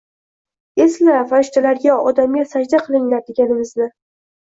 «Esla, farishtalarga: «Odamga sajda qilinglar!» deganimizni.